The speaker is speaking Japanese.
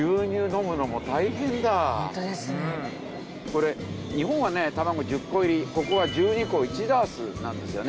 これ日本はね卵１０個入りここは１２個１ダースなんですよね。